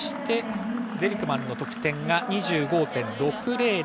ゼリクマンの得点が２５．６００。